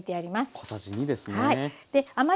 小さじ２ですね。